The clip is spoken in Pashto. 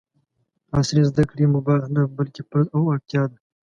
عصري زده کړې مباح نه ، بلکې فرض او اړتیا ده!